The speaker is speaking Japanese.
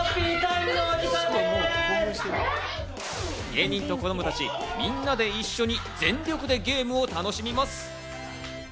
芸人と子供たち、みんなで一緒に全力でゲームを楽しみます。